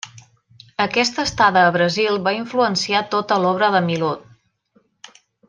Aquesta estada a Brasil va influenciar tota l'obra de Milhaud.